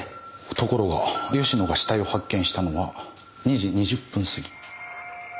ところが吉野が死体を発見したのは２時２０分過ぎ。